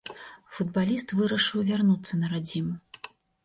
Футбаліст вырашыў вярнуцца на радзіму.